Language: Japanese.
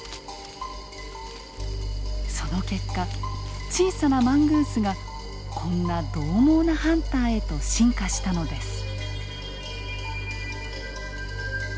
その結果小さなマングースがこんなどう猛なハンターへと進化したのです。